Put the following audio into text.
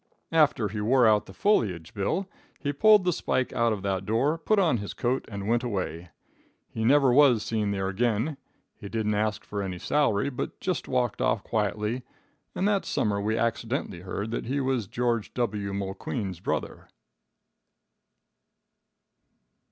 "After he wore out the foliage, Bill, he pulled the spike out of that door, put on his coat and went away. He never was seen there again. He didn't ask for any salary, but just walked off quietly, and that summer we accidently heard that he was George W. Mulqueen's brother."